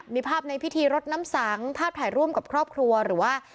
มีภาพในพิธีรดน้ำสังภาพถ่ายร่วมกับครอบครัวหรือว่า